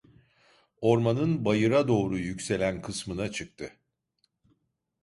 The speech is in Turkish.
Ormanın bayıra doğru yükselen kısmına çıktı.